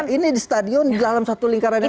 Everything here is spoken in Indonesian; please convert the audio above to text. nah ini di stadion dalam satu lingkaran yang sama